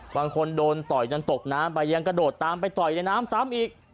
บางคนโดนต่อยจนตกน้ำไปยังกระโดดตามไปต่อยในน้ำซ้ำอีก